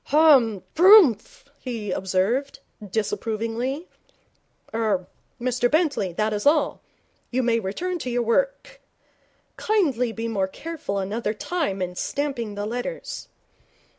'Ha! Prrumph!' he observed, disapprovingly. 'Er Mr Bentley, that is all. You may return to your work ah'mmm! Kindly be more careful another time in stamping the letters.'